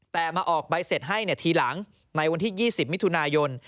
แต่มาออกใบเสร็จให้ทีหลังในวันที่๒๐มิถุนายน